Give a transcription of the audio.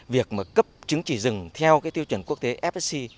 việc cấp chứng chỉ rừng theo tiêu chuẩn quốc tế fsc